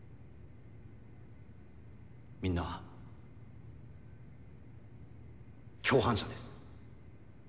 みんな共犯者です。